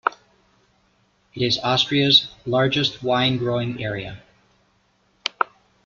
It is Austria's largest wine growing area.